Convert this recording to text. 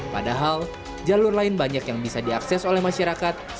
padahal jalur lain banyak yang bisa diakses oleh masyarakat